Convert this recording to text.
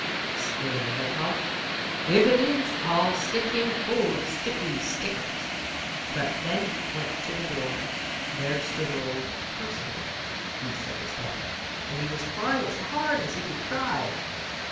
exclaimed the hedgehog. "If it is, I'll stick him full of stickery stickers." But when he went to the door there stood old Percival, the circus dog, and he was crying as hard as he could cry.